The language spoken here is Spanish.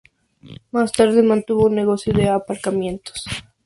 Más tarde mantuvo un negocio de aparcamientos.